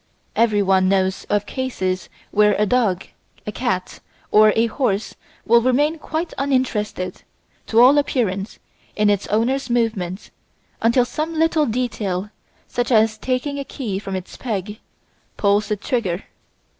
Everyone knows of cases where a dog, a cat, or a horse will remain quite uninterested, to all appearance, in its owner's movements until some little detail, such as taking a key from its peg, pulls the trigger.